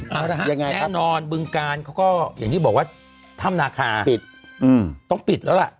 เอาละฮะแน่นอนบึงการเขาก็อย่างที่บอกว่าถ้ำนาคาปิดต้องปิดแล้วล่ะ